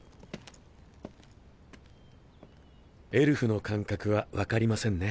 エルフの感覚は分かりませんね。